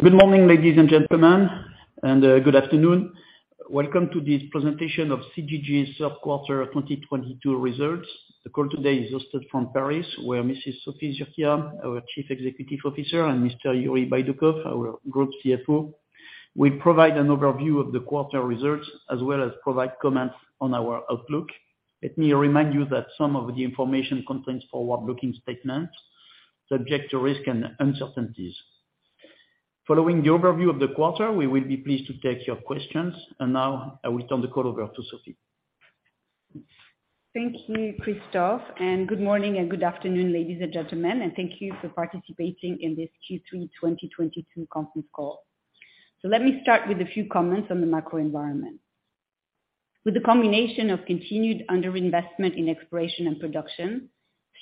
Good morning, ladies and gentlemen, and good afternoon. Welcome to this presentation of CGG's third quarter 2022 results. The call today is hosted from Paris, where Mrs. Sophie Zurquiyah, our Chief Executive Officer, and Mr. Yuri Baidoukov, our Group CFO, will provide an overview of the quarter results, as well as provide comments on our outlook. Let me remind you that some of the information contains forward-looking statements subject to risk and uncertainties. Following the overview of the quarter, we will be pleased to take your questions, and now I will turn the call over to Sophie. Thank you, Christophe, and good morning and good afternoon, ladies and gentlemen, and thank you for participating in this Q3 2022 conference call. Let me start with a few comments on the macro environment. With the combination of continued under-investment in exploration and production,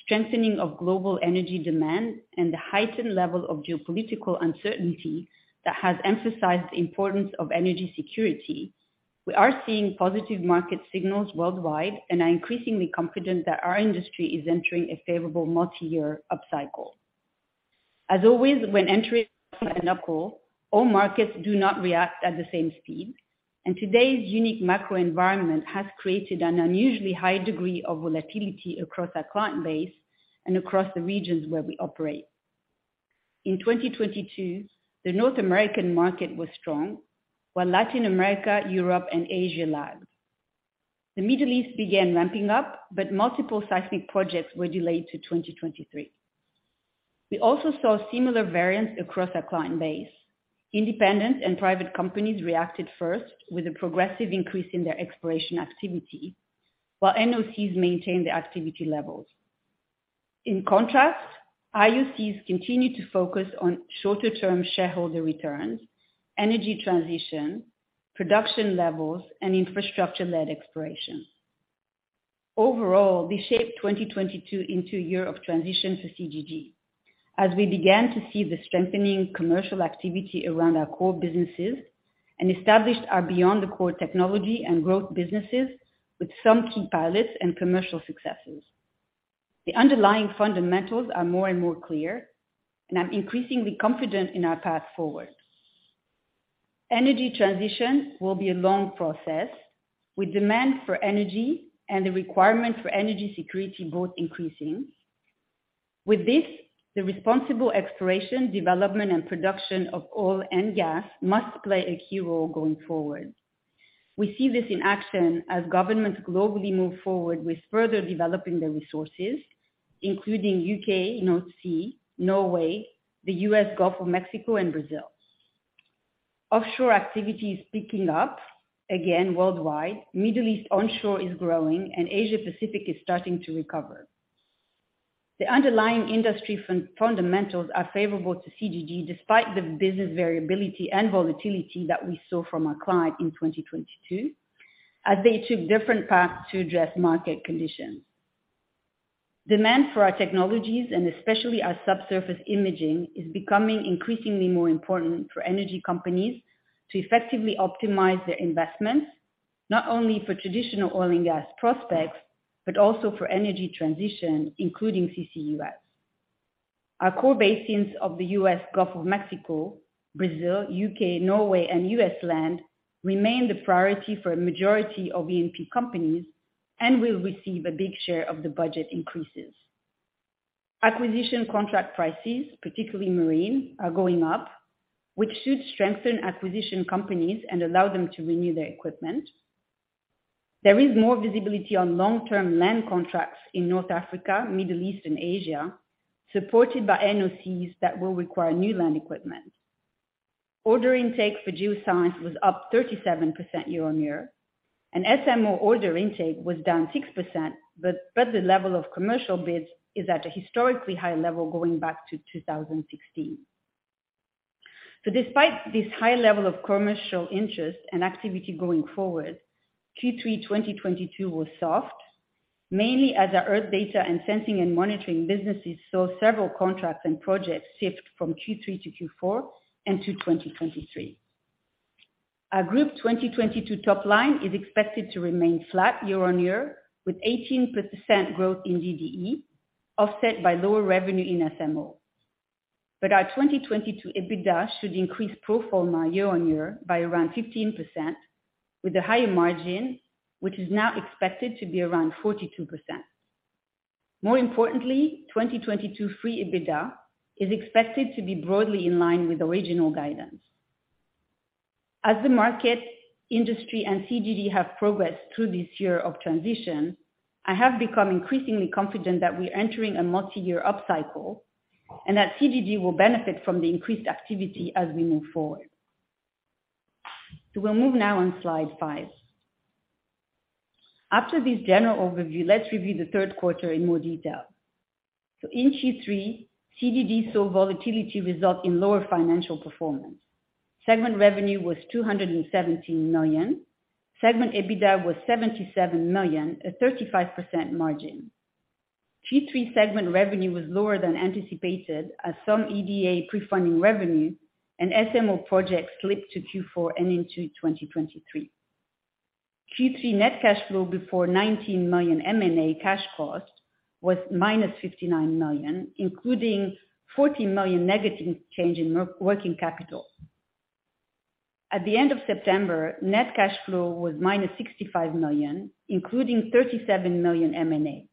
strengthening of global energy demand, and the heightened level of geopolitical uncertainty that has emphasized the importance of energy security, we are seeing positive market signals worldwide and are increasingly confident that our industry is entering a favorable multi-year upcycle. As always, when entering an upcycle, all markets do not react at the same speed, and today's unique macro environment has created an unusually high degree of volatility across our client base and across the regions where we operate. In 2022, the North American market was strong, while Latin America, Europe, and Asia lagged. The Middle East began ramping up, but multiple seismic projects were delayed to 2023. We also saw similar variants across our client base. Independent and private companies reacted first with a progressive increase in their exploration activity, while NOCs maintained their activity levels. In contrast, IOCs continued to focus on shorter-term shareholder returns, energy transition, production levels, and infrastructure-led exploration. Overall, this shaped 2022 into a year of transition for CGG as we began to see the strengthening commercial activity around our core businesses and established our beyond the core technology and growth businesses with some key pilots and commercial successes. The underlying fundamentals are more and more clear, and I'm increasingly confident in our path forward. Energy transition will be a long process with demand for energy and the requirement for energy security both increasing. With this, the responsible exploration, development, and production of oil and gas must play a key role going forward. We see this in action as governments globally move forward with further developing their resources, including U.K., North Sea, Norway, the U.S. Gulf of Mexico, and Brazil. Offshore activity is picking up again worldwide, Middle East onshore is growing, and Asia Pacific is starting to recover. The underlying industry fundamentals are favorable to CGG despite the business variability and volatility that we saw from our client in 2022, as they took different paths to address market conditions. Demand for our technologies, and especially our subsurface imaging, is becoming increasingly more important for energy companies to effectively optimize their investments, not only for traditional oil and gas prospects, but also for energy transition, including CCUS. Our core basins of the U.S. Gulf of Mexico, Brazil, U.K., Norway, and U.S. land remain the priority for a majority of E&P companies and will receive a big share of the budget increases. Acquisition contract prices, particularly marine, are going up, which should strengthen acquisition companies and allow them to renew their equipment. There is more visibility on long-term land contracts in North Africa, Middle East, and Asia, supported by NOCs that will require new land equipment. Order intake for geoscience was up 37% year-on-year, and SMO order intake was down 6%, but the level of commercial bids is at a historically high level going back to 2016. Despite this high level of commercial interest and activity going forward, Q3 2022 was soft, mainly as our Earth Data and Sensing & Monitoring businesses saw several contracts and projects shift from Q3 to Q4 and to 2023. Our group 2022 top line is expected to remain flat year-on-year, with 18% growth in DDE offset by lower revenue in SMO. our 2022 EBITDA should increase pro forma year-on-year by around 15% with a higher margin, which is now expected to be around 42%. More importantly, 2022 free EBITDA is expected to be broadly in line with original guidance. As the market, industry, and CGG have progressed through this year of transition, I have become increasingly confident that we are entering a multi-year upcycle and that CGG will benefit from the increased activity as we move forward. We'll move now on slide five. After this general overview, let's review the third quarter in more detail. In Q3, CGG saw volatility result in lower financial performance. Segment revenue was 217 million. Segment EBITDA was 77 million, a 35% margin. Q3 segment revenue was lower than anticipated as some EDA pre-funding revenue and SMO projects slipped to Q4 and into 2023. Q3 net cash flow before 19 million M&A cash cost was -59 million, including 14 million negative change in working capital. At the end of September, net cash flow was -65 million, including 37 million M&A.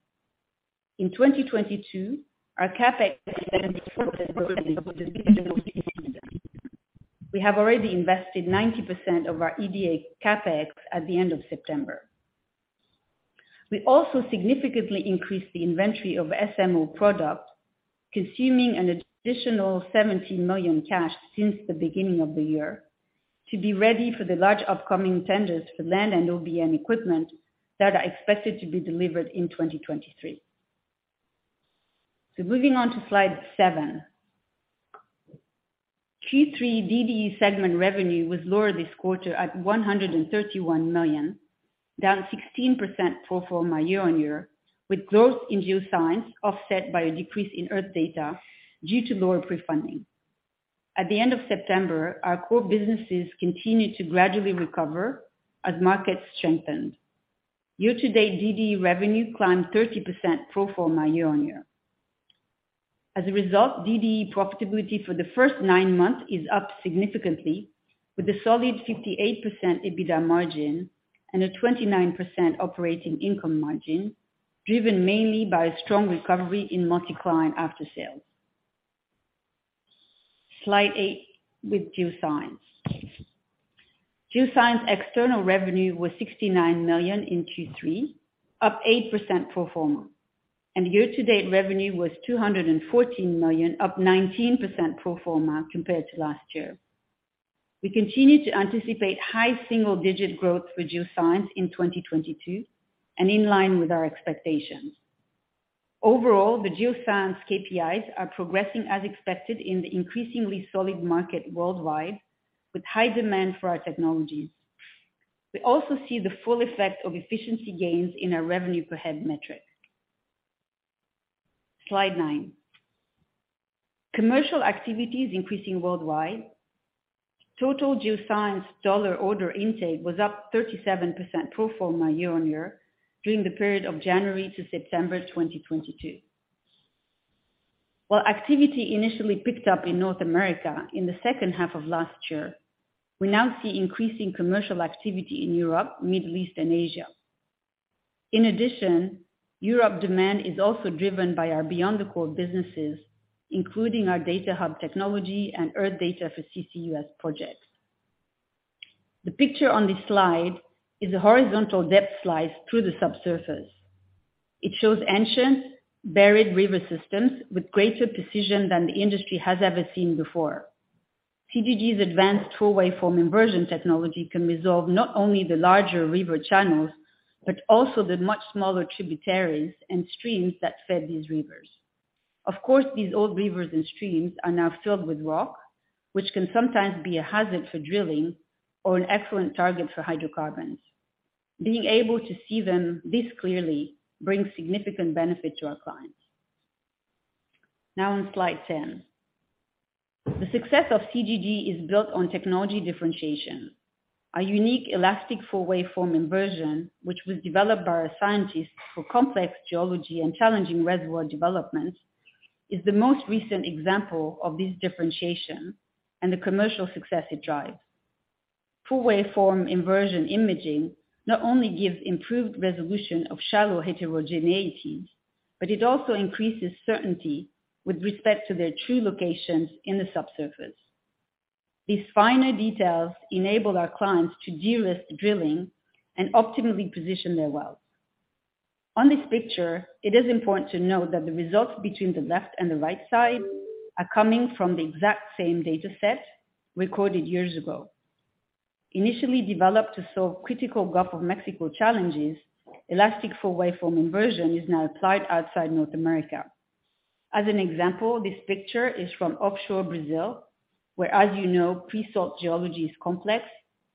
In 2022, our CapEx was additional 60 million. We have already invested 90% of our EDA CapEx at the end of September. We also significantly increased the inventory of SMO product, consuming an additional 17 million cash since the beginning of the year to be ready for the large upcoming tenders for land and OBM equipment that are expected to be delivered in 2023. Moving on to slide 7. Q3 DDE segment revenue was lower this quarter at 131 million, down 16% pro forma year-on-year, with growth in Geoscience offset by a decrease in Earth Data due to lower pre-funding. At the end of September, our core businesses continued to gradually recover as markets strengthened. Year-to-date DDE revenue climbed 30% pro forma year-on-year. As a result, DDE profitability for the first nine months is up significantly with a solid 58% EBITDA margin and a 29% operating income margin, driven mainly by strong recovery in multi-client after-sales. Slide eight, with Geoscience. Geoscience external revenue was 69 million in Q3, up 8% pro forma, and year-to-date revenue was 214 million, up 19% pro forma compared to last year. We continue to anticipate high single-digit growth for geoscience in 2022 and in line with our expectations. Overall, the geoscience KPIs are progressing as expected in the increasingly solid market worldwide with high demand for our technologies. We also see the full effect of efficiency gains in our revenue per head metric. Slide nine. Commercial activity is increasing worldwide. Total geoscience dollar order intake was up 37% pro forma year-on-year during the period of January to September 2022. While activity initially picked up in North America in the second half of last year, we now see increasing commercial activity in Europe, Middle East, and Asia. In addition, Europe demand is also driven by our beyond the core businesses, including our Data Hub technology and Earth Data for CCUS projects. The picture on this slide is a horizontal depth slice through the subsurface. It shows ancient buried river systems with greater precision than the industry has ever seen before. CGG's advanced Full Waveform Inversion technology can resolve not only the larger river channels, but also the much smaller tributaries and streams that fed these rivers. Of course, these old rivers and streams are now filled with rock, which can sometimes be a hazard for drilling or an excellent target for hydrocarbons. Being able to see them this clearly brings significant benefit to our clients. Now on slide ten. The success of CGG is built on technology differentiation. Our unique elastic full waveform inversion, which was developed by our scientists for complex geology and challenging reservoir development, is the most recent example of this differentiation and the commercial success it drives. Full waveform inversion imaging not only gives improved resolution of shallow heterogeneities, but it also increases certainty with respect to their true locations in the subsurface. These finer details enable our clients to de-risk drilling and optimally position their wells. On this picture, it is important to note that the results between the left and the right side are coming from the exact same dataset recorded years ago. Initially developed to solve critical Gulf of Mexico challenges, elastic full waveform inversion is now applied outside North America. As an example, this picture is from offshore Brazil, where, as you know, pre-salt geology is complex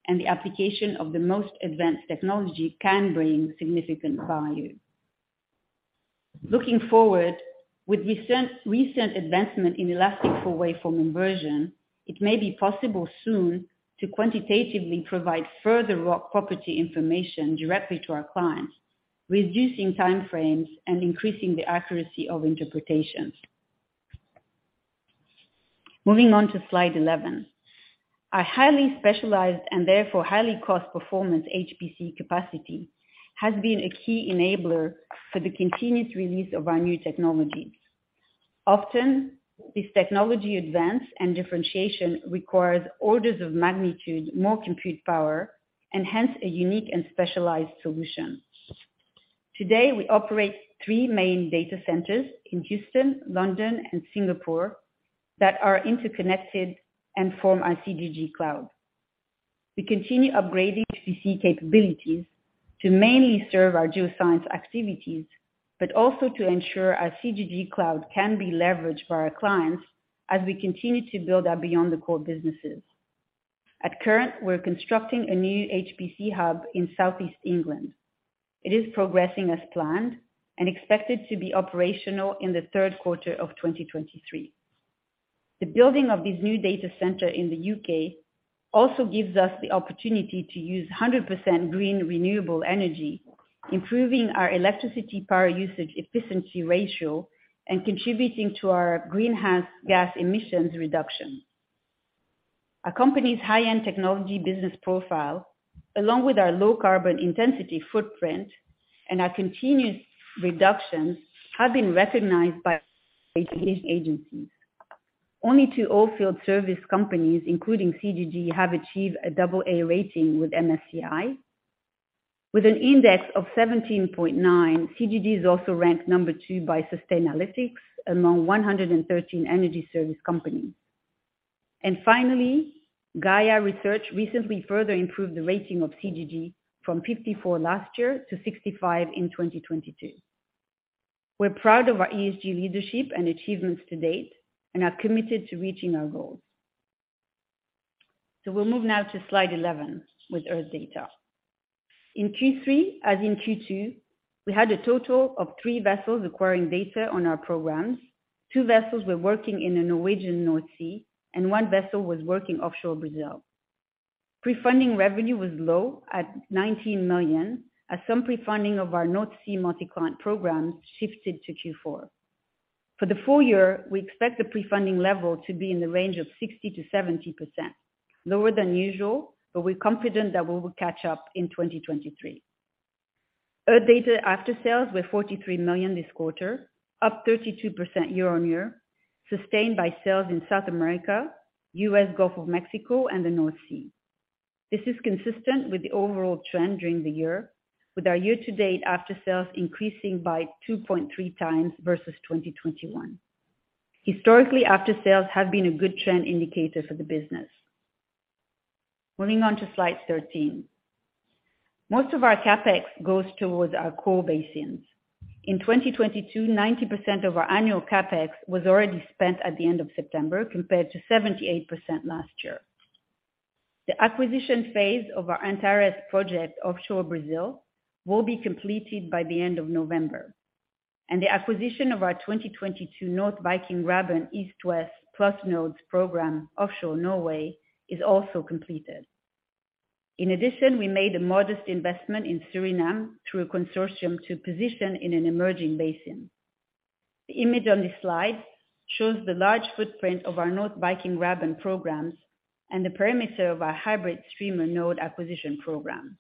and the application of the most advanced technology can bring significant value. Looking forward, with recent advancement in elastic full waveform inversion, it may be possible soon to quantitatively provide further rock property information directly to our clients, reducing time frames and increasing the accuracy of interpretations. Moving on to slide 11. Our highly specialized and therefore highly cost performance HPC capacity has been a key enabler for the continuous release of our new technologies. Often, this technology advance and differentiation requires orders of magnitude more compute power and hence a unique and specialized solution. Today, we operate three main data centers in Houston, London, and Singapore that are interconnected and form our CGG cloud. We continue upgrading HPC capabilities to mainly serve our geoscience activities, but also to ensure our CGG cloud can be leveraged by our clients as we continue to build our beyond the core businesses. Currently, we're constructing a new HPC hub in Southeast England. It is progressing as planned and expected to be operational in the third quarter of 2023. The building of this new data center in the UK also gives us the opportunity to use 100% green renewable energy, improving our electricity power usage efficiency ratio and contributing to our greenhouse gas emissions reduction. Our company's high-end technology business profile, along with our low carbon intensity footprint and our continuous reduction, have been recognized by agencies. Only two oilfield service companies, including CGG, have achieved a double A rating with MSCI. With an index of 17.9, CGG is also ranked number two by Sustainalytics among 113 energy service companies. Finally, Gaïa Rating recently further improved the rating of CGG from 54 last year to 65 in 2022. We're proud of our ESG leadership and achievements to date and are committed to reaching our goals. We'll move now to slide 11 with Earth Data. In Q3, as in Q2, we had a total of 3 vessels acquiring data on our programs. Two vessels were working in the Norwegian North Sea, and one vessel was working offshore Brazil. Pre-funding revenue was low at 19 million, as some pre-funding of our North Sea multi-client program shifted to Q4. For the full year, we expect the pre-funding level to be in the range of 60%-70%, lower than usual, but we're confident that we will catch up in 2023. Earth Data after sales were 43 million this quarter, up 32% year-on-year, sustained by sales in South America, U.S. Gulf of Mexico, and the North Sea. This is consistent with the overall trend during the year, with our year-to-date after sales increasing by 2.3x versus 2021. Historically, after sales have been a good trend indicator for the business. Moving on to slide 13. Most of our CapEx goes towards our core basins. In 2022, 90% of our annual CapEx was already spent at the end of September, compared to 78% last year. The acquisition phase of our Antares project offshore Brazil will be completed by the end of November. The acquisition of our 2022 North Viking Graben East-West + nodes program offshore Norway is also completed. In addition, we made a modest investment in Suriname through a consortium to position in an emerging basin. The image on this slide shows the large footprint of our North Viking Graben programs and the perimeter of our hybrid streamer node acquisition program.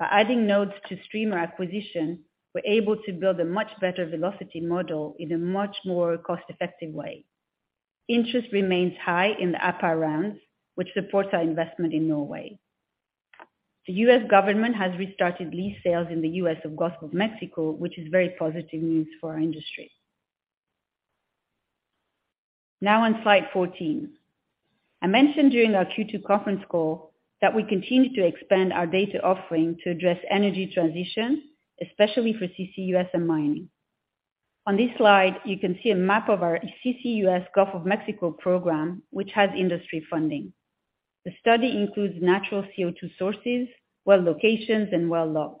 By adding nodes to streamer acquisition, we're able to build a much better velocity model in a much more cost-effective way. Interest remains high in the upper rounds, which supports our investment in Norway. The U.S. government has restarted lease sales in the U.S. Gulf of Mexico, which is very positive news for our industry. Now on slide 14. I mentioned during our Q2 conference call that we continue to expand our data offering to address energy transition, especially for CCUS and mining. On this slide, you can see a map of our CCUS Gulf of Mexico program, which has industry funding. The study includes natural CO2 sources, well locations, and well logs.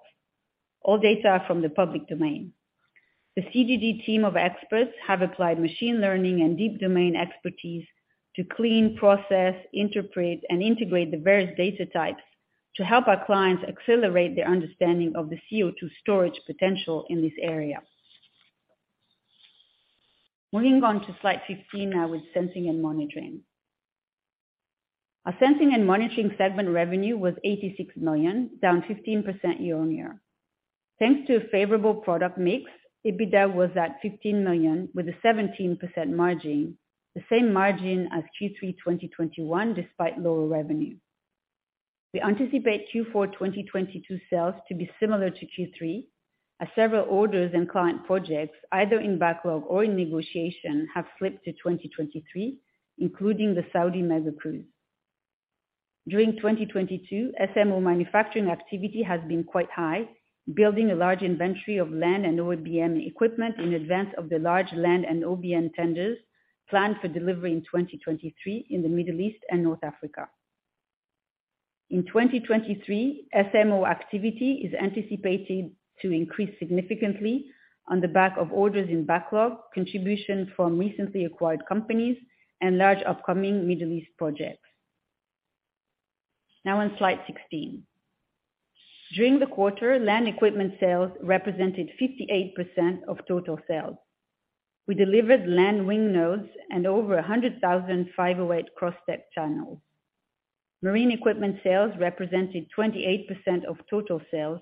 All data are from the public domain. The Viridien team of experts have applied machine learning and deep domain expertise to clean, process, interpret, and integrate the various data types to help our clients accelerate their understanding of the CO2 storage potential in this area. Moving on to slide 15 now with Sensing and Monitoring. Our Sensing & Monitoring segment revenue was 86 million, down 15% year-on-year. Thanks to a favorable product mix, EBITDA was at 15 million with a 17% margin, the same margin as Q3 2021, despite lower revenue. We anticipate Q4 2022 sales to be similar to Q3, as several orders and client projects, either in backlog or in negotiation, have flipped to 2023, including the Saudi mega-crew. During 2022, SMO manufacturing activity has been quite high, building a large inventory of land and OBM equipment in advance of the large land and OBM tenders planned for delivery in 2023 in the Middle East and North Africa. In 2023, SMO activity is anticipated to increase significantly on the back of orders in backlog, contribution from recently acquired companies, and large upcoming Middle East projects. Now on slide 16. During the quarter, land equipment sales represented 58% of total sales. We delivered land WiNG nodes and over 100,000 508XT channels. Marine equipment sales represented 28% of total sales,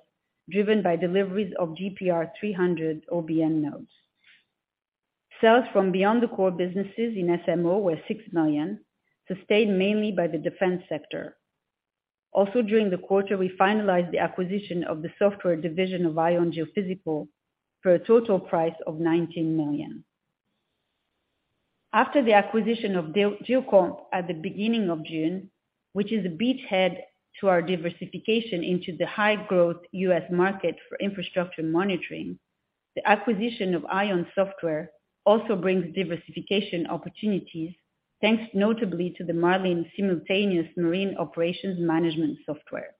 driven by deliveries of GPR300 OBM nodes. Sales from beyond the core businesses in SMO were 6 million, sustained mainly by the defense sector. Also, during the quarter, we finalized the acquisition of the software division of ION Geophysical for a total price of 19 million. After the acquisition of Geocomp at the beginning of June, which is a beachhead to our diversification into the high-growth U.S. market for infrastructure monitoring, the acquisition of ION software also brings diversification opportunities, thanks notably to the Marlin Simultaneous Marine Operations Management software.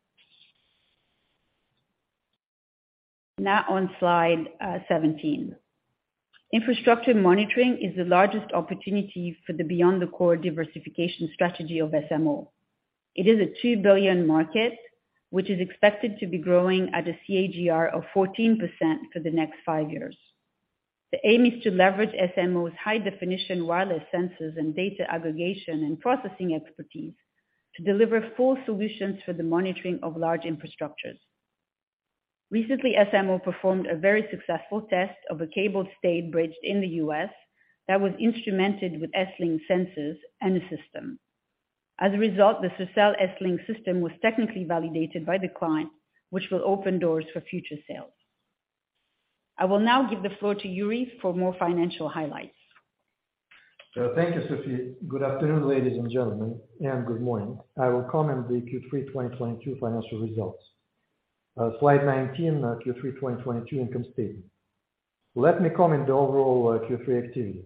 Now on slide 17. Infrastructure monitoring is the largest opportunity for the beyond the core diversification strategy of SMO. It is a 2 billion market which is expected to be growing at a CAGR of 14% for the next five years. The aim is to leverage SMO's high-definition wireless sensors and data aggregation and processing expertise to deliver full solutions for the monitoring of large infrastructures. Recently, SMO performed a very successful test of a cable-stayed bridge in the U.S. that was instrumented with S-lynks sensors and a system. As a result, the Sercel's S-lynks system was technically validated by the client, which will open doors for future sales. I will now give the floor to Yuri for more financial highlights. Thank you, Sophie. Good afternoon, ladies and gentlemen, and good morning. I will comment the Q3 2022 financial results. Slide 19, Q3 2022 income statement. Let me comment the overall Q3 activity.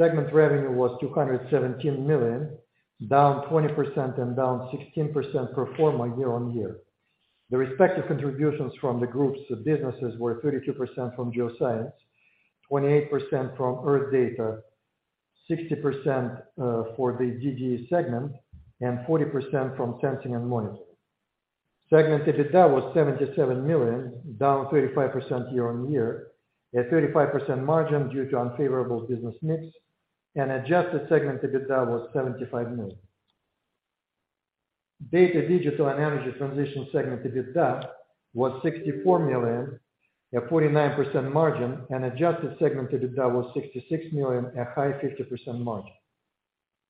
Segment revenue was 217 million, down 20% and down 16% pro forma year-on-year. The respective contributions from the groups of businesses were 32% from Geoscience, 28% from Earth Data, 60% for the DDE segment, and 40% from Sensing and Monitoring. Segment EBITDA was 77 million, down 35% year-on-year at 35% margin due to unfavorable business mix. Adjusted segment EBITDA was EUR 75 million. Data, Digital & Energy Transition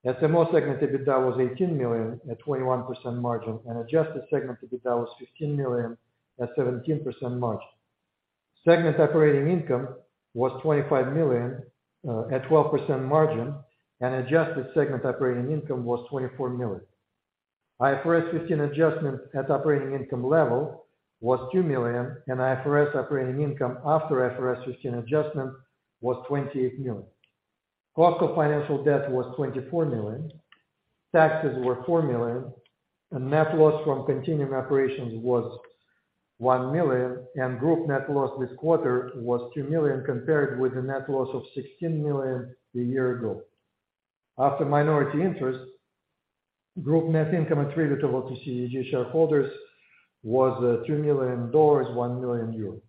segment EBITDA was 64 million at 49% margin, and adjusted segment EBITDA was 66 million at high 50% margin. SMO segment EBITDA was 18 million at 21% margin, and adjusted segment EBITDA was 15 million at 17% margin. Segment operating income was 25 million at 12% margin, and adjusted segment operating income was 24 million. IFRS 15 adjustment at operating income level was 2 million and IFRS operating income after IFRS 15 adjustment was 28 million. Cost of financial debt was 24 million. Taxes were 4 million. Net loss from continuing operations was 1 million. Group net loss this quarter was 2 million compared with a net loss of 16 million a year ago. After minority interest, group net income attributable to CGG shareholders was $2 million, EUR 1 million.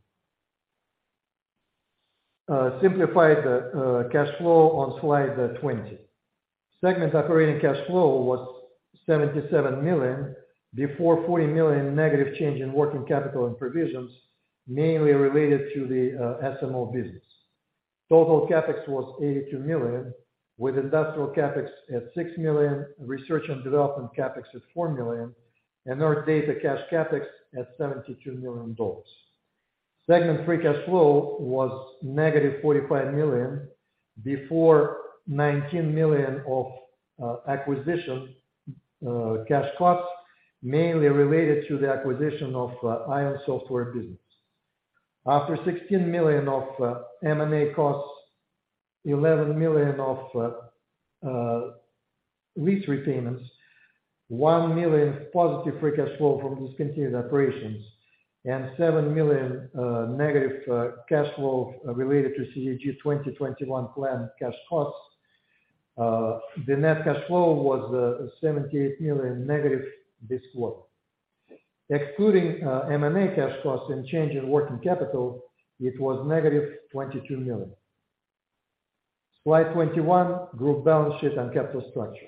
Simplified cash flow on slide 20. Segment operating cash flow was 77 million before 40 million negative change in working capital and provisions mainly related to the SMO business. Total CapEx was 82 million, with industrial CapEx at 6 million, research and development CapEx at 4 million, and Earth Data cash CapEx at $72 million. Segment free cash flow was -45 million before 19 million of acquisition cash costs mainly related to the acquisition of ION's software business. After 16 million of M&A costs, 11 million of lease repayments, +1 million free cash flow from discontinued operations, and -7 million negative cash flow related to CGG 2021 plan cash costs. The net cash flow was -78 million this quarter. Excluding M&A cash costs and change in working capital, it was -22 million. Slide 21, group balance sheet and capital structure.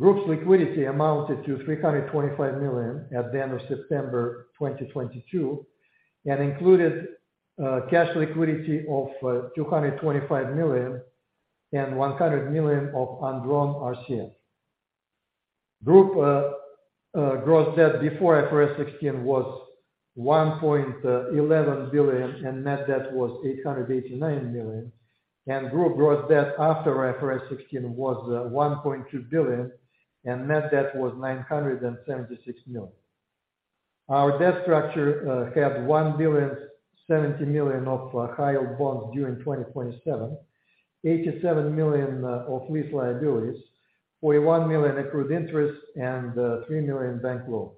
Group's liquidity amounted to 325 million at the end of September 2022, and included cash liquidity of 225 million and 100 million of undrawn RCF. Group gross debt before IFRS 15 was 1.11 billion, and net debt was 889 million. Group gross debt after IFRS 16 was 1.2 billion, and net debt was 976 million. Our debt structure had 1.07 billion of high-yield bonds due in 2027, 87 million of lease liabilities, 41 million accrued interest, and 3 million bank loans.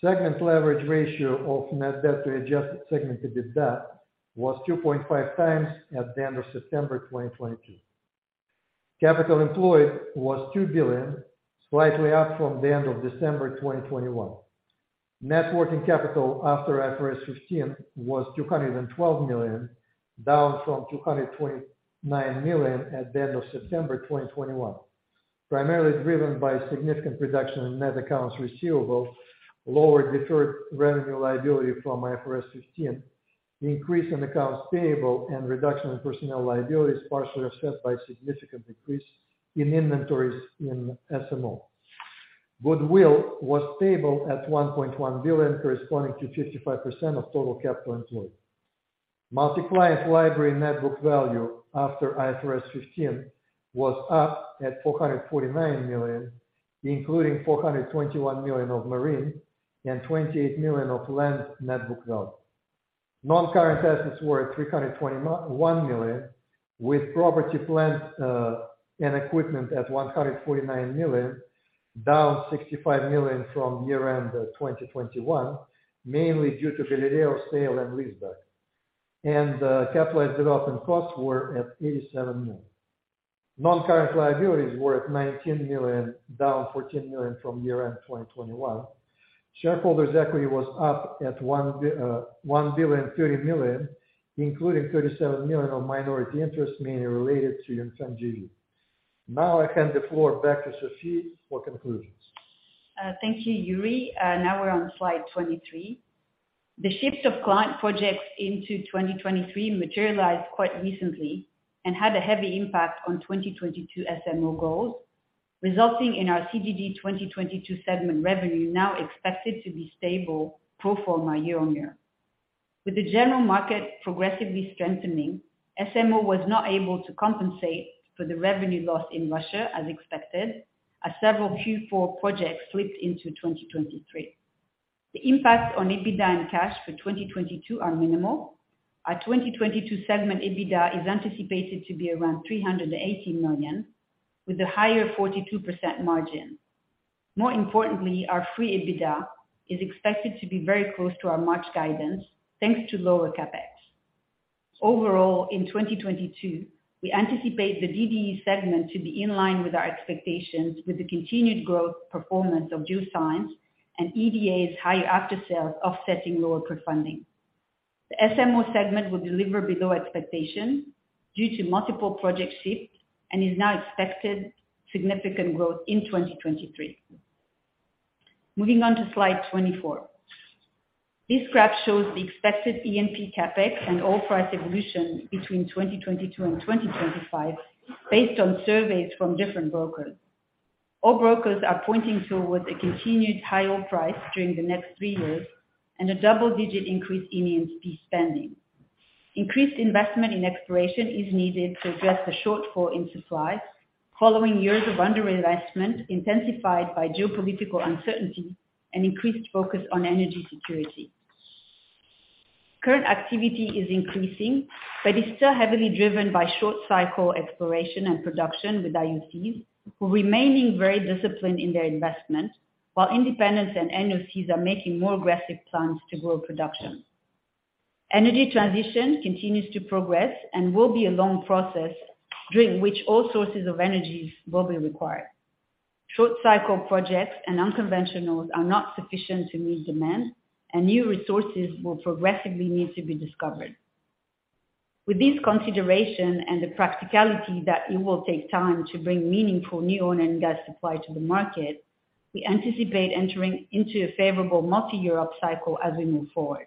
Segment leverage ratio of net debt to adjusted segment EBITDA was 2.5x at the end of September 2022. Capital employed was 2 billion, slightly up from the end of December 2021. Net working capital after IFRS 15 was 212 million, down from 229 million at the end of September 2021. Primarily driven by significant reduction in net accounts receivable, lower deferred revenue liability from IFRS 15, the increase in accounts payable, and reduction in personnel liabilities, partially offset by a significant decrease in inventories in SMO. Goodwill was stable at 1.1 billion, corresponding to 55% of total capital employed. Multi-client library net book value after IFRS 15 was up at 449 million, including 421 million of marine and 28 million of land net book value. Non-current assets were 321 million, with property, plants, and equipment at 149 million. Down 65 million from year-end 2021, mainly due to Galileo sale and leaseback. Capitalized development costs were at 87 million. Non-current liabilities were at 19 million, down 14 million from year-end 2021. Shareholders equity was up at 1.03 billion, including 37 million of minority interest mainly related to [YunTianLi]. Now I hand the floor back to Sophie for conclusions. Thank you, Yuri. Now we're on slide 23. The shift of client projects into 2023 materialized quite recently and had a heavy impact on 2022 SMO goals, resulting in our CGG 2022 segment revenue now expected to be stable pro forma year-on-year. With the general market progressively strengthening, SMO was not able to compensate for the revenue loss in Russia as expected, as several Q4 projects slipped into 2023. The impact on EBITDA and cash for 2022 are minimal. Our 2022 segment EBITDA is anticipated to be around 380 million, with a higher 42% margin. More importantly, our free EBITDA is expected to be very close to our March guidance, thanks to lower CapEx. Overall, in 2022, we anticipate the DDE segment to be in line with our expectations with the continued growth performance of Geoscience and EDA's higher after-sales offsetting lower pre-funding. The SMO segment will deliver below expectations due to multiple project shifts and now expect significant growth in 2023. Moving on to slide 24. This graph shows the expected E&P CapEx and oil price evolution between 2022 and 2025 based on surveys from different brokers. All brokers are pointing towards a continued high oil price during the next three years and a double-digit increase in E&P spending. Increased investment in exploration is needed to address the shortfall in supply following years of underinvestment intensified by geopolitical uncertainty and increased focus on energy security. Current activity is increasing, but is still heavily driven by short cycle exploration and production with IOCs, who remain very disciplined in their investment, while independents and NOCs are making more aggressive plans to grow production. Energy transition continues to progress and will be a long process during which all sources of energy will be required. Short cycle projects and unconventionals are not sufficient to meet demand, and new resources will progressively need to be discovered. With this consideration and the practicality that it will take time to bring meaningful new oil and gas supply to the market, we anticipate entering into a favorable multi-year upcycle as we move forward.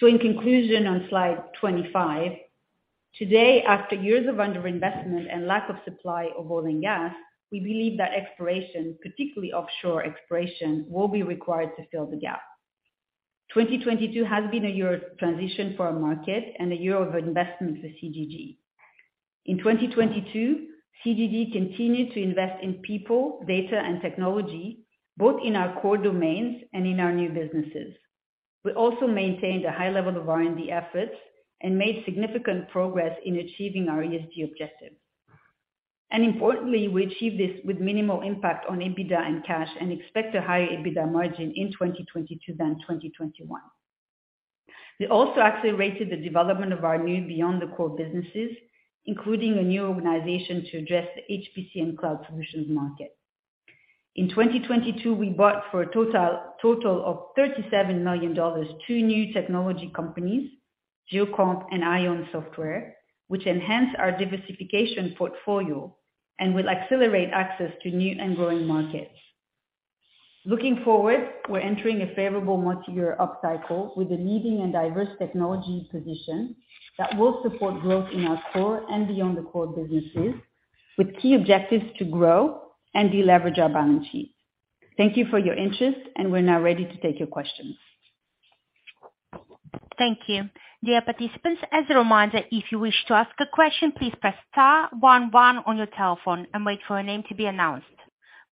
In conclusion, on slide 25, today after years of underinvestment and lack of supply of oil and gas, we believe that exploration, particularly offshore exploration, will be required to fill the gap. 2022 has been a year of transition for our market and a year of investment for CGG. In 2022, CGG continued to invest in people, data and technology, both in our core domains and in our new businesses. We also maintained a high level of R&D efforts and made significant progress in achieving our ESG objectives. Importantly, we achieved this with minimal impact on EBITDA and cash and expect a higher EBITDA margin in 2022 than 2021. We also accelerated the development of our new beyond the core businesses, including a new organization to address the HPC and cloud solutions market. In 2022, we bought, for a total of $37 million, two new technology companies, Geocomp and ION Software, which enhance our diversification portfolio and will accelerate access to new and growing markets. Looking forward, we're entering a favorable multi-year upcycle with a leading and diverse technology position that will support growth in our core and beyond the core businesses, with key objectives to grow and deleverage our balance sheet. Thank you for your interest, and we're now ready to take your questions. Thank you. Dear participants, as a reminder, if you wish to ask a question, please press star one one on your telephone and wait for your name to be announced.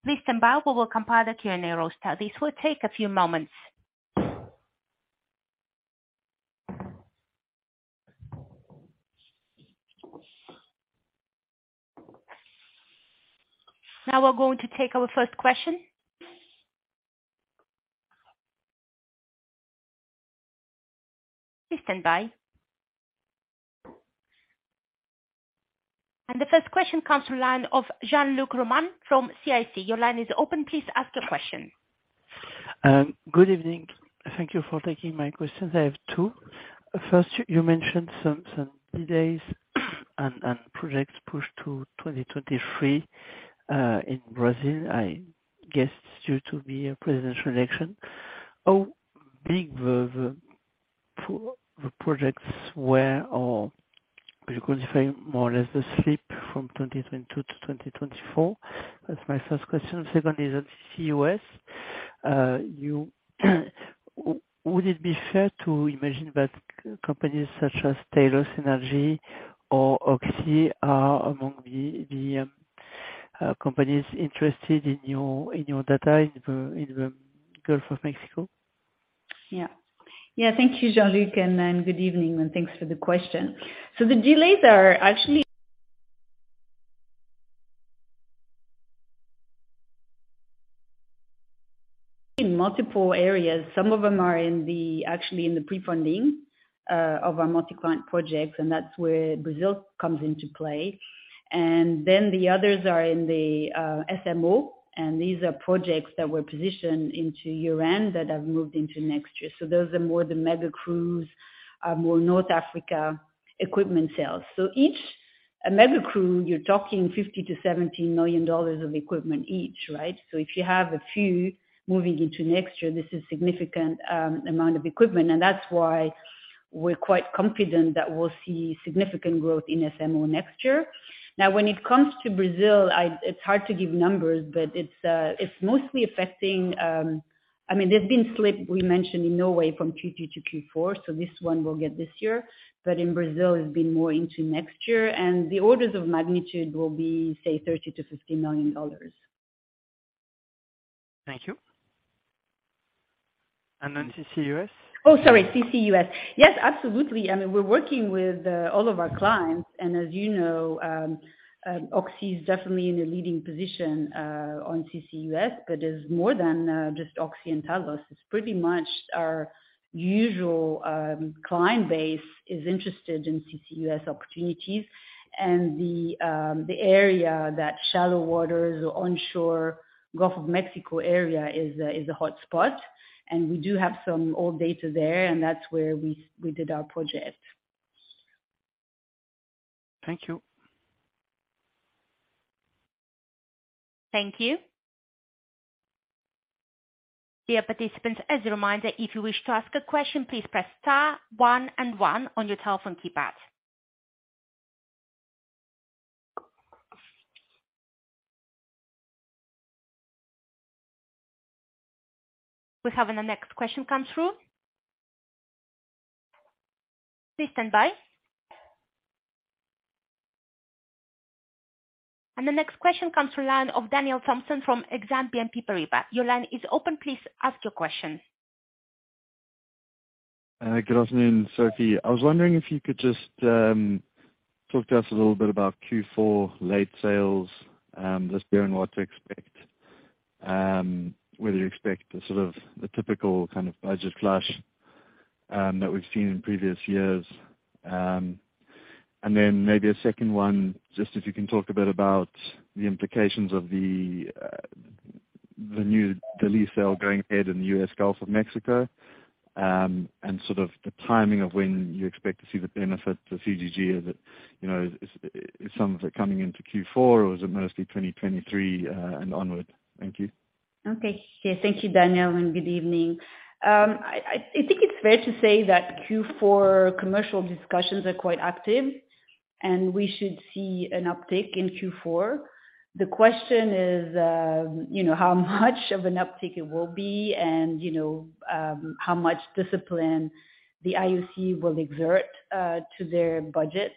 Please stand by while we compile the Q&A roster. This will take a few moments. Now we're going to take our first question. Please stand by. The first question comes from the line of Jean-Luc Romain from CIC. Your line is open. Please ask your question. Good evening. Thank you for taking my questions. I have two. First, you mentioned some delays and projects pushed to 2023 in Brazil, I guess due to the presidential election. How big the projects were or could you confirm more or less the slip from 2022 to 2024? That's my first question. Second is on OCS. Would it be fair to imagine that companies such as Talos Energy or Oxy are among the companies interested in your data in the Gulf of Mexico? Thank you, Jean-Luc Romain, and good evening, and thanks for the question. The delays are actually in multiple areas. Some of them are actually in the pre-funding of our multi-client projects, and that's where Brazil comes into play. Then the others are in the SMO, and these are projects that were positioned into year-end that have moved into next year. Those are more the mega-crews, more North Africa equipment sales. Each mega-crew, you're talking $50 million-$70 million of equipment each, right? If you have a few moving into next year, this is significant amount of equipment. That's why we're quite confident that we'll see significant growth in SMO next year. Now, when it comes to Brazil, it's hard to give numbers, but it's mostly affecting. I mean, there's been slippage we mentioned in Norway from Q2 to Q4, so this one will get this year. In Brazil, it's been more into next year, and the orders of magnitude will be, say, $30 million-$50 million. Thank you. CCUS. Oh, sorry, CCUS. Yes, absolutely. I mean, we're working with all of our clients, and as you know, Oxy is definitely in a leading position on CCUS, but is more than just Oxy and Talos. It's pretty much our usual client base is interested in CCUS opportunities. The area that shallow waters or onshore Gulf of Mexico area is a hotspot. We do have some old data there, and that's where we did our project. Thank you. Thank you. Dear participants, as a reminder, if you wish to ask a question, please press star one and one on your telephone keypad. We're having the next question come through. Please stand by. The next question comes to line of Daniel Thomson from Exane BNP Paribas. Your line is open. Please ask your question. Good afternoon, Sophie. I was wondering if you could just talk to us a little bit about Q4 sales this year and what to expect. Whether you expect the sort of typical kind of budget flush that we've seen in previous years. Then maybe a second one, just if you can talk a bit about the implications of the lease sale going ahead in the U.S. Gulf of Mexico, and sort of the timing of when you expect to see the benefit for CCG. Is it, you know, is some of it coming into Q4, or is it mostly 2023 and onward? Thank you. Okay. Yeah, thank you, Daniel, and good evening. I think it's fair to say that Q4 commercial discussions are quite active, and we should see an uptick in Q4. The question is, you know, how much of an uptick it will be and how much discipline the IOC will exert to their budgets.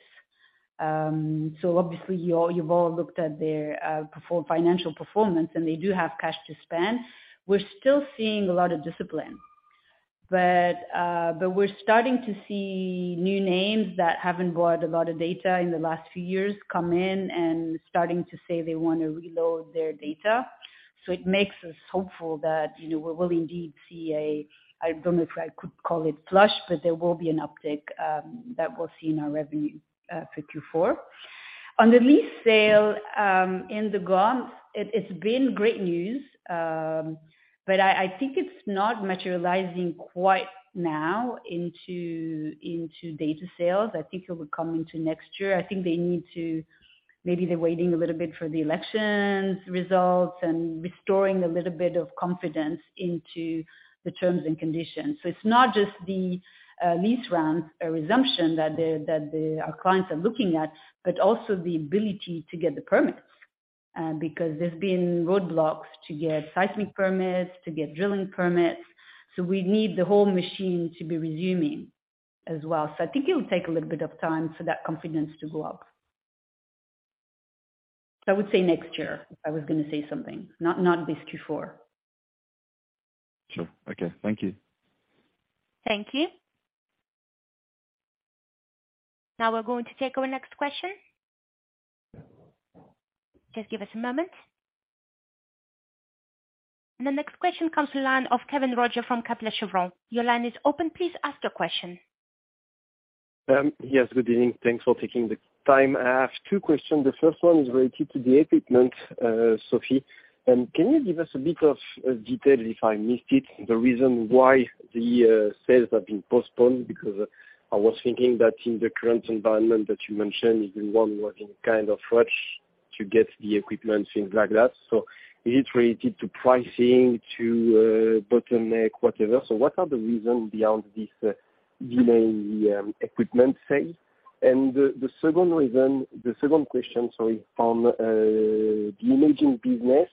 Obviously you've all looked at their financial performance, and they do have cash to spend. We're still seeing a lot of discipline, but we're starting to see new names that haven't bought a lot of data in the last few years come in and starting to say they wanna reload their data. It makes us hopeful that, you know, we will indeed see a, I don't know if I could call it flush, but there will be an uptick that we'll see in our revenue for Q4. On the lease sale in the Gulf, it's been great news, but I think it's not materializing quite now into data sales. I think it will come into next year. I think they need to. Maybe they're waiting a little bit for the elections results and restoring a little bit of confidence into the terms and conditions. It's not just the lease rounds or resumption that our clients are looking at, but also the ability to get the permits. Because there's been roadblocks to get seismic permits, to get drilling permits, so we need the whole machine to be resuming as well. I think it'll take a little bit of time for that confidence to go up. I would say next year, if I was gonna say something, not this Q4. Sure. Okay. Thank you. Thank you. Now we're going to take our next question. Just give us a moment. The next question comes from the line of Kevin Roger from Kepler Cheuvreux. Your line is open. Please ask your question. Yes, good evening. Thanks for taking the time. I have two questions. The first one is related to the equipment, Sophie. Can you give us a bit of detail, if I missed it, the reason why the sales have been postponed? Because I was thinking that in the current environment that you mentioned, everyone working kind of rush to get the equipment, things like that. Is it related to pricing, to bottleneck, whatever? What are the reason beyond this delay, equipment sale? The second question, sorry, on the imaging business,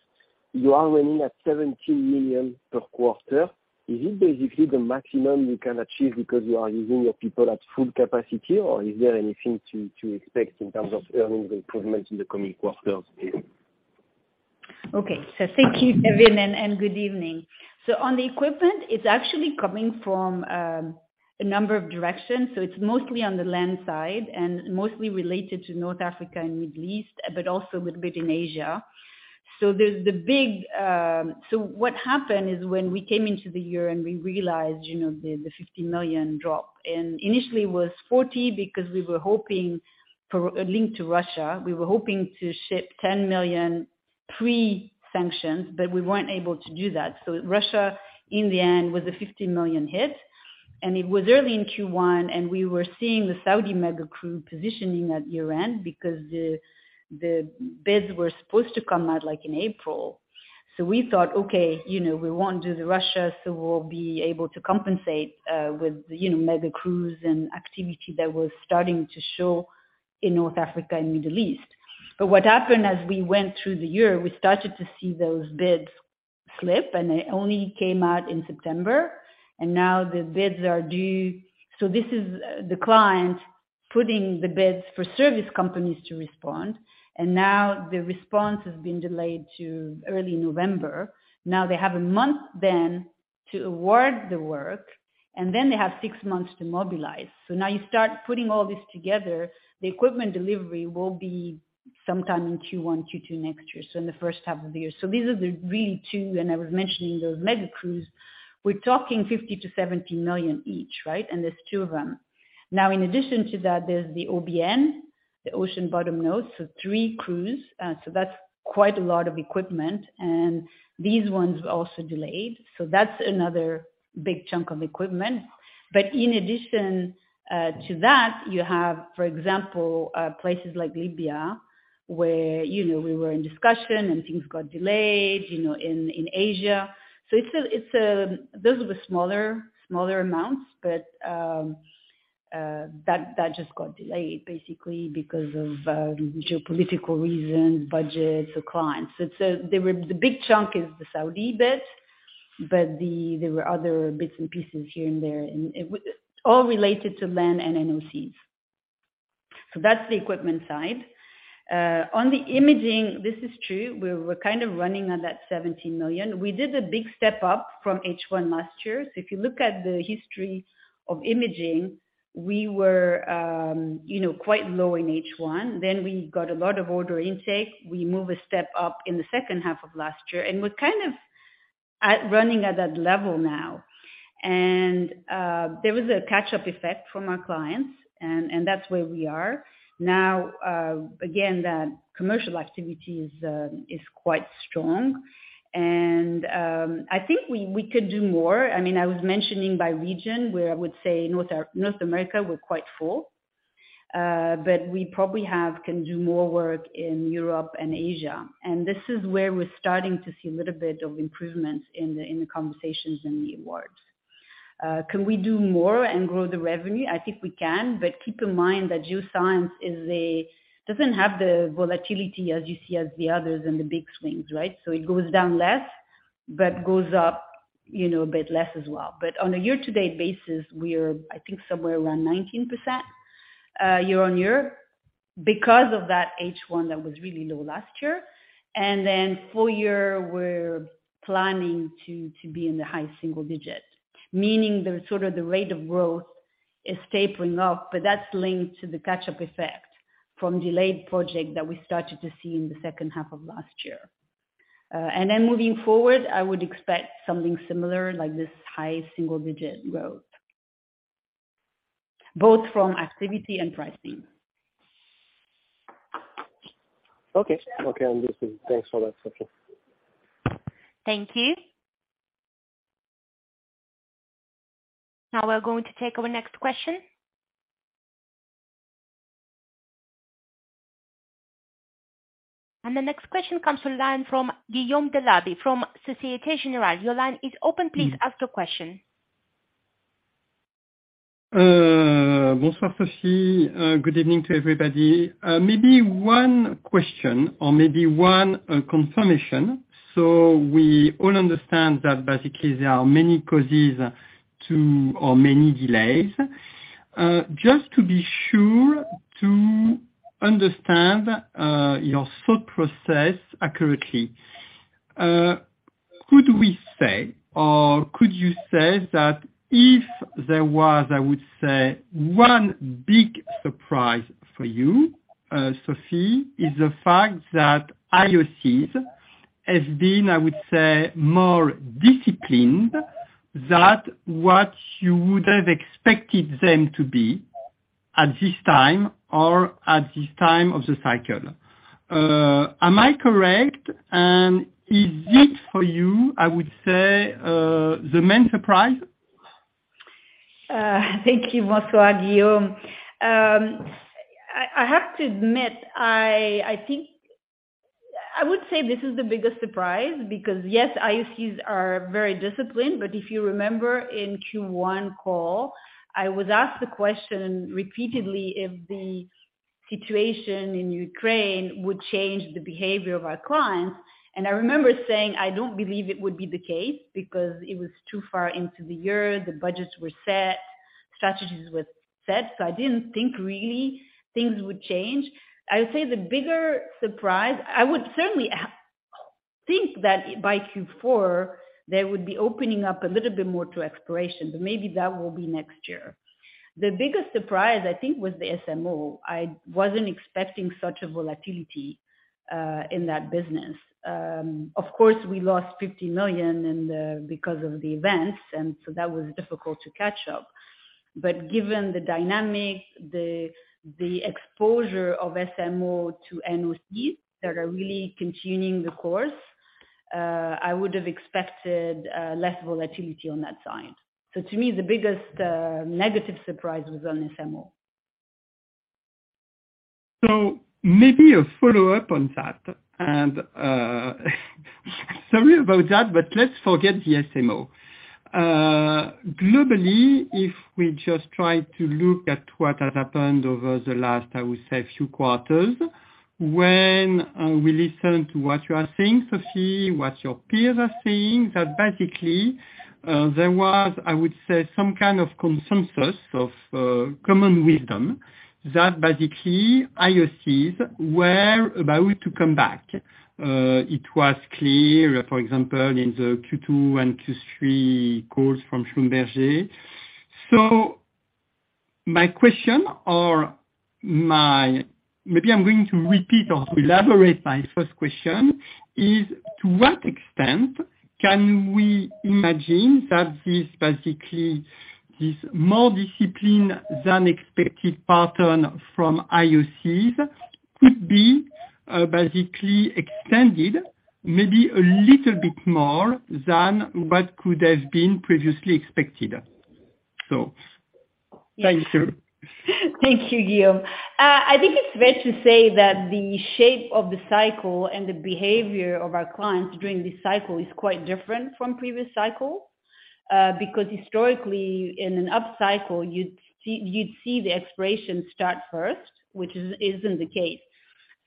you are running at 17 million per quarter. Is this basically the maximum you can achieve because you are using your people at full capacity, or is there anything to expect in terms of earnings improvement in the coming quarters? Okay. Thank you, Kevin, and good evening. On the equipment, it's actually coming from a number of directions. It's mostly on the land side and mostly related to North Africa and Middle East, but also a little bit in Asia. What happened is when we came into the year and we realized, you know, the 50 million drop, and initially it was 40 million because we were hoping for a link to Russia. We were hoping to ship 10 million pre-sanctions, but we weren't able to do that. Russia, in the end, was a 50 million hit. It was early in Q1, and we were seeing the Saudi mega crew positioning at year-end because the bids were supposed to come out, like, in April. We thought, "Okay, you know, we won't do the Russia, so we'll be able to compensate with, you know, mega crews and activity that was starting to show in North Africa and Middle East." What happened as we went through the year, we started to see those bids slip, and they only came out in September. Now the bids are due. This is the client putting the bids for service companies to respond, and now the response has been delayed to early November. Now they have a month then to award the work, and then they have six months to mobilize. Now you start putting all this together. The equipment delivery will be sometime in Q1, Q2 next year, so in the first half of the year. These are the really two, and I was mentioning those mega crews. We're talking $50 million-$70 million each, right? There's two of them. Now, in addition to that, there's the OBN, the ocean bottom node, so three crews. So that's quite a lot of equipment. These ones also delayed, so that's another big chunk of equipment. In addition to that, you have, for example, places like Libya, where, you know, we were in discussion and things got delayed, you know, in Asia. Those are the smaller amounts, but that just got delayed basically because of geopolitical reasons, budgets or clients. The big chunk is the Saudi bids, but there were other bits and pieces here and there, and all related to land and NOCs. That's the equipment side. On the imaging, this is true. We're kind of running on that 17 million. We did a big step up from H1 last year. If you look at the history of imaging, we were quite low in H1. We got a lot of order intake. We move a step up in the second half of last year, and we're kind of running at that level now. There was a catch-up effect from our clients, and that's where we are. Now, again, the commercial activity is quite strong. I think we could do more. I mean, I was mentioning by region, where I would say North America, we're quite full. But we probably can do more work in Europe and Asia. This is where we're starting to see a little bit of improvements in the conversations and the awards. Can we do more and grow the revenue? I think we can. Keep in mind that geoscience doesn't have the volatility as you see as the others and the big swings, right? It goes down less, but goes up, you know, a bit less as well. On a year-to-date basis, we are, I think, somewhere around 19%, year-over-year, because of that H1 that was really low last year. Full year, we're planning to be in the high single-digit, meaning the sort of the rate of growth is tapering off, but that's linked to the catch-up effect from delayed project that we started to see in the second half of last year. Moving forward, I would expect something similar like this high single digit growth, both from activity and pricing. Okay, understood. Thanks a lot. Thank you. Now we're going to take our next question. The next question comes from the line of Guillaume Delaby from Société Générale. Your line is open, please ask your question. Good evening to everybody. Maybe one question or maybe one confirmation. We all understand that basically there are many causes or many delays. Just to be sure to understand your thought process accurately, could we say or could you say that if there was, I would say, one big surprise for you, Sophie Zurquiyah, is the fact that IOCs has been, I would say, more disciplined than what you would have expected them to be at this time or at this time of the cycle. Am I correct? Is it for you, I would say, the main surprise? Thank you. I have to admit, I think I would say this is the biggest surprise because, yes, IOCs are very disciplined. If you remember in Q1 call, I was asked the question repeatedly if the situation in Ukraine would change the behavior of our clients. I remember saying, "I don't believe it would be the case," because it was too far into the year, the budgets were set. Strategies were set, so I didn't think really things would change. I would say the bigger surprise. I would certainly think that by Q4 there would be opening up a little bit more to exploration, but maybe that will be next year. The biggest surprise, I think, was the SMO. I wasn't expecting such a volatility in that business. Of course, we lost 50 million because of the events, and so that was difficult to catch up. Given the dynamics, the exposure of SMO to NOCs that are really continuing the course, I would have expected less volatility on that side. To me, the biggest negative surprise was on SMO. Maybe a follow-up on that. Sorry about that, but let's forget the SMO. Globally, if we just try to look at what has happened over the last few quarters, when we listen to what you are saying, Sophie, what your peers are saying, that basically there was some kind of consensus of common wisdom that basically IOCs were about to come back. It was clear, for example, in the Q2 and Q3 calls from Schlumberger. Maybe I'm going to repeat or to elaborate my first question, to what extent can we imagine that this basically this more disciplined than expected pattern from IOCs could be basically extended maybe a little bit more than what could have been previously expected? Thank you. Thank you, Guillaume. I think it's fair to say that the shape of the cycle and the behavior of our clients during this cycle is quite different from previous cycles, because historically, in an upcycle, you'd see the exploration start first, which isn't the case.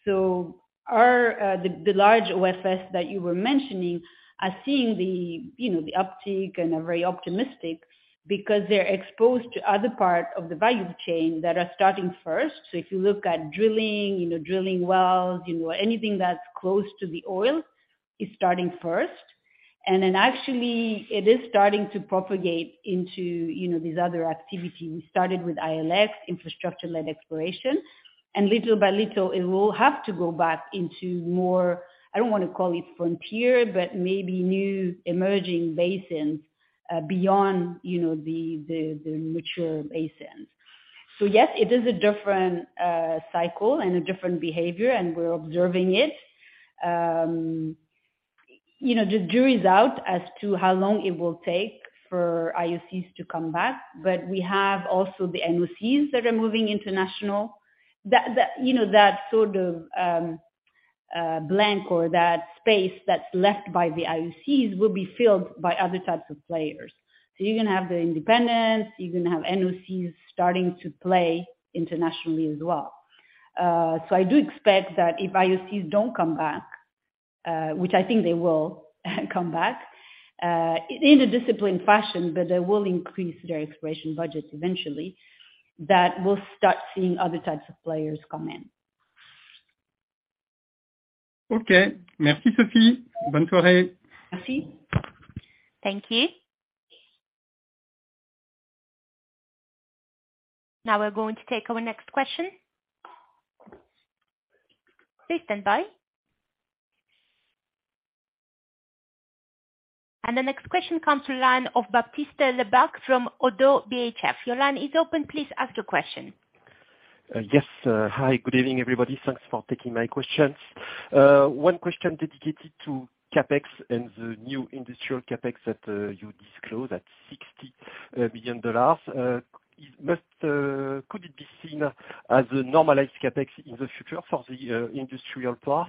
The large OFS that you were mentioning are seeing the uptick and are very optimistic because they're exposed to other parts of the value chain that are starting first. If you look at drilling, you know, drilling wells, you know, anything that's close to the oil is starting first. Then actually it is starting to propagate into, you know, these other activities. We started with ILX, infrastructure-led exploration, and little by little, it will have to go back into more. I don't want to call it frontier, but maybe new emerging basins beyond, you know, the mature basins. Yes, it is a different cycle and a different behavior, and we're observing it. You know, the jury's out as to how long it will take for IOCs to come back. We have also the NOCs that are moving internationally. That, you know, that sort of blank or that space that's left by the IOCs will be filled by other types of players. You're gonna have the independents, you're gonna have NOCs starting to play internationally as well.I do expect that if IOCs don't come back, which I think they will come back, in a disciplined fashion, but they will increase their exploration budget eventually, that we'll start seeing other types of players come in. Okay. Merci, Sophie. Merci. Thank you. Now we're going to take our next question. Please stand by. The next question comes from the line of Baptiste Lebacq from Oddo BHF. Your line is open. Please ask your question. Yes. Hi, good evening, everybody. Thanks for taking my questions. One question dedicated to CapEx and the new industrial CapEx that you disclosed at $60 billion. Could it be seen as a normalized CapEx in the future for the industrial path?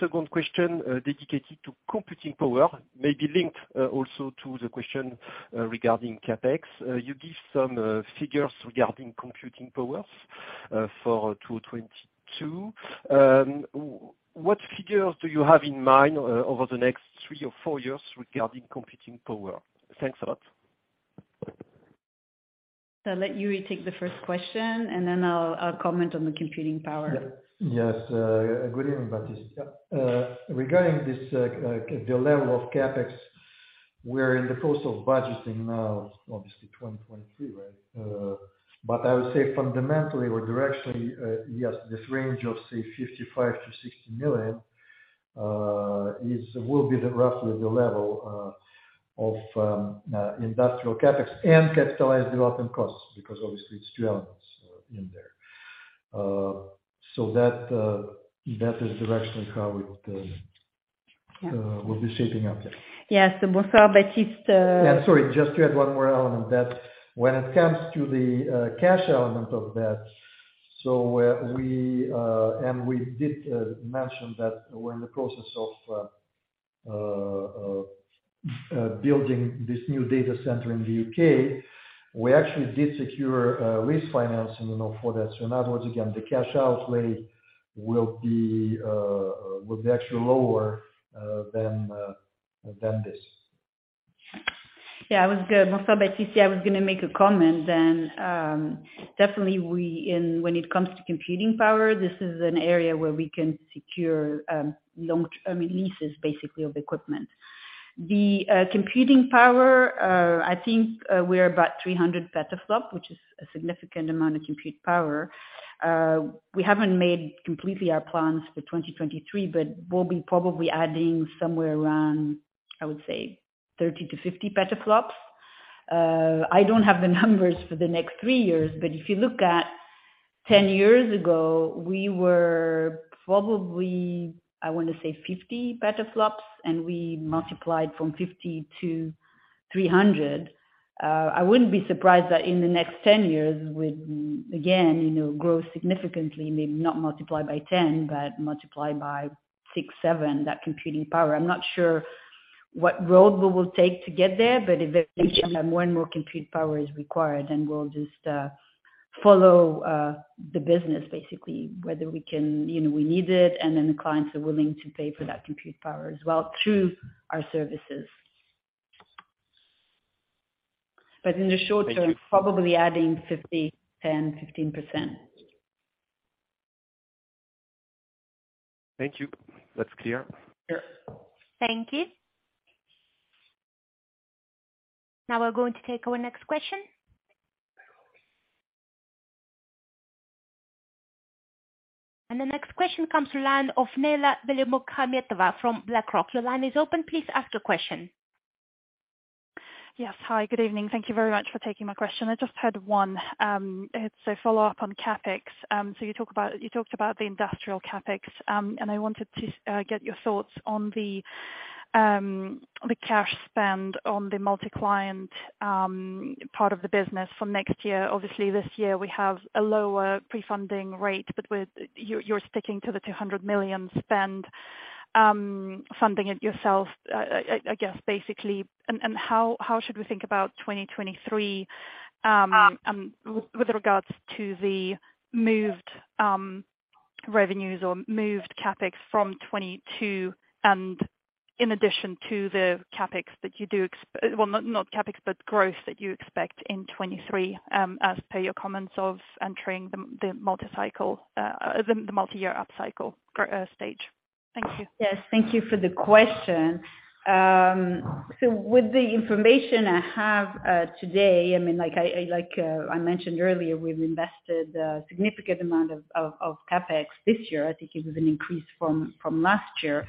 Second question dedicated to computing power, maybe linked also to the question regarding CapEx. You give some figures regarding computing powers for 2022. What figures do you have in mind over the next three or four years regarding computing power? Thanks a lot. I'll let Yuri take the first question, and then I'll comment on the computing power. Yes. Good evening, Baptiste. Regarding this, the level of CapEx, we're in the process of budgeting now, obviously 2023, right? But I would say fundamentally or directionally, yes, this range of, say, 55 million-60 million will be roughly the level of industrial CapEx and capitalized development costs, because obviously it's two elements in there. That is directionally how it. Yeah. Will be shaping up, yes. Yes. Before Baptiste, Yeah, sorry, just to add one more element. That when it comes to the cash element of that, we did mention that we're in the process of building this new data center in the U.K. We actually did secure refinancing, you know, for that. In other words, again, the cash outlay will be actually lower than Yeah, Baptiste I was gonna make a comment then. Definitely when it comes to computing power, this is an area where we can secure long-term leases basically of equipment. The computing power, I think, we're about 300 petaflops, which is a significant amount of compute power. We haven't made completely our plans for 2023, but we'll be probably adding somewhere around, I would say, 30-50 petaflops. I don't have the numbers for the next three years, but if you look at 10 years ago, we were probably, I want to say 50 petaflops, and we multiplied from 50 to 300. I wouldn't be surprised that in the next 10 years, we, again, you know, grow significantly, maybe not multiply by 10, but multiply by 6, 7, that computing power. I'm not sure what road we will take to get there, but if more and more compute power is required, then we'll just follow the business basically, whether we can, you know, we need it, and then the clients are willing to pay for that compute power as well through our services. In the short term probably adding 50%, 10%, 15%. Thank you. That's clear. Thank you. Now we're going to take our next question. The next question comes from the line of Neyla Velimoukhametova from BlackRock. Your line is open. Please ask your question. Yes. Hi, good evening. Thank you very much for taking my question. I just had one. It's a follow-up on CapEx. So you talked about the industrial CapEx, and I wanted to get your thoughts on the cash spend on the multi-client part of the business for next year. Obviously, this year we have a lower pre-funding rate, but you're sticking to the 200 million spend, funding it yourself, I guess, basically. How should we think about 2023 with regards to the moved revenues or moved CapEx from 2022 and in addition to the CapEx that you do exp... Well, not CapEx, but growth that you expect in 2023, as per your comments of entering the multi-year upcycle stage. Thank you. Yes. Thank you for the question. So with the information I have today, I mean, like I mentioned earlier, we've invested a significant amount of CapEx this year. I think it was an increase from last year.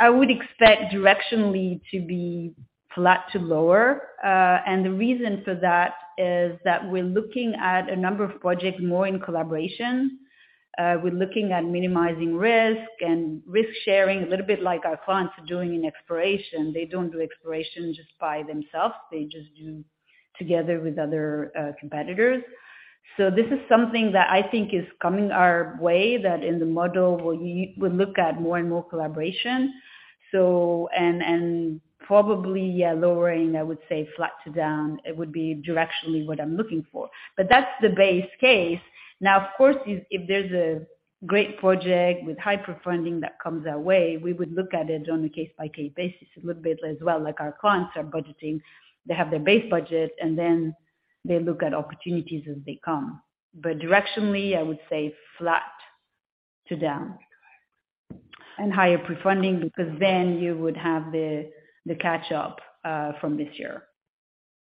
I would expect directionally to be flat to lower. And the reason for that is that we're looking at a number of projects more in collaboration. We're looking at minimizing risk and risk sharing a little bit like our clients are doing in exploration. They don't do exploration just by themselves. They just do together with other competitors. This is something that I think is coming our way that in the model we look at more and more collaboration. And probably, yeah, lowering, I would say flat to down, it would be directionally what I'm looking for. That's the base case. Now, of course, if there's a great project with higher funding that comes our way, we would look at it on a case-by-case basis a little bit as well, like our clients are budgeting. They have their base budget, and then they look at opportunities as they come. Directionally, I would say flat to down. Higher pre-funding because then you would have the catch up from this year.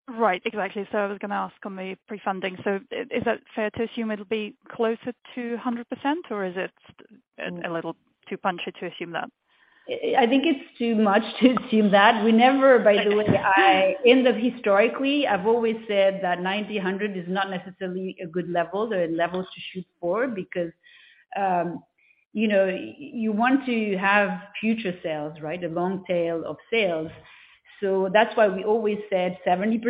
Right. Exactly. I was gonna ask on the pre-funding. Is that fair to assume it'll be closer to 100% or is it a little too punchy to assume that? I think it's too much to assume that. We never, by the way, I've always said that 90, 100 is not necessarily a good level. There are levels to shoot for because you know, you want to have future sales, right? A long tail of sales. That's why we always said 70%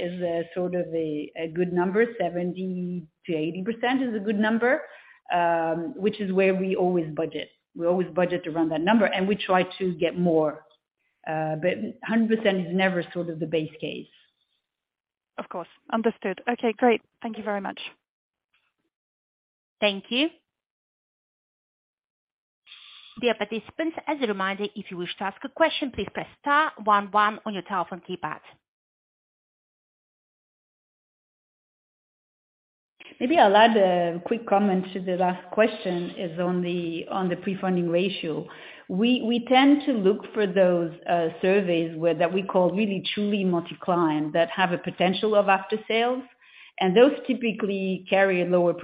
is a sort of a good number. 70%-80% is a good number, which is where we always budget. We always budget around that number, and we try to get more. 100% is never sort of the base case. Of course. Understood. Okay, great. Thank you very much. Thank you. Dear participants, as a reminder, if you wish to ask a question, please press star one one on your telephone keypad. Maybe I'll add a quick comment to the last question is on the pre-funding ratio. We tend to look for those surveys that we call really truly multi-client that have a potential of after sales, and those typically carry a lower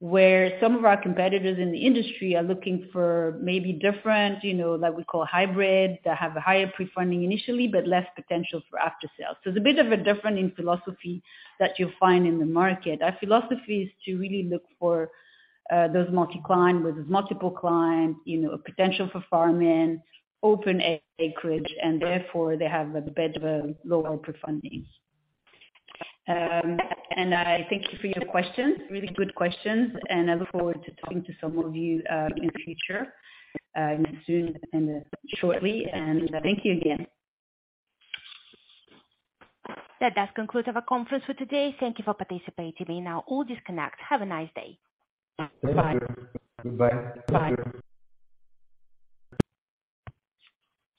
pre-funding. Some of our competitors in the industry are looking for maybe different, you know, like we call hybrid, that have a higher pre-funding initially, but less potential for after sale. It's a bit of a difference in philosophy that you'll find in the market. Our philosophy is to really look for those multi-client with multiple clients, you know, a potential for farm-in, open acreage, and therefore they have a bit of a lower pre-funding. I thank you for your questions, really good questions, and I look forward to talking to some of you in the future, soon and shortly. Thank you again. That does conclude our conference for today. Thank you for participating. You now all disconnect. Have a nice day. Bye.